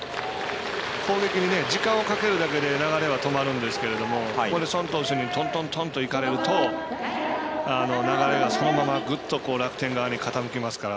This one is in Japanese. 攻撃に時間をかけるだけで流れは変わるんですけどここに宋投手にトントントンといかれるとそのままぐっと楽天側に傾きます。